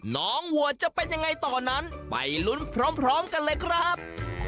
วัวจะเป็นยังไงต่อนั้นไปลุ้นพร้อมกันเลยครับ